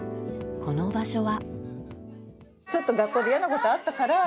この場所は。